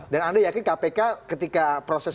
dan anda yakin kpk ketika proses